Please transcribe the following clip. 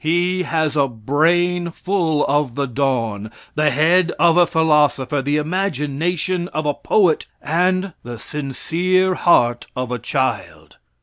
He has a brain full of the dawn, the head of a philosopher, the imagination of a poet, and the sincere heart of a child.